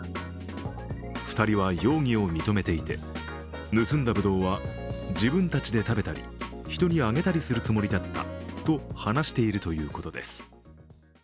２人は容疑を認めていて、盗んだぶどうは自分たちで食べたり人にあげたりするつもりだったと話しているということです。